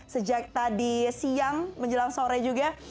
sejak tadi siang menjelang sore juga